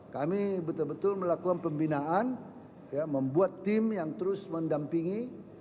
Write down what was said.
kami betul betul melakukan pembinaan membuat tim yang terus mendampingi